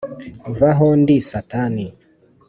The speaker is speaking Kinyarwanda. “Va aho ndi Satani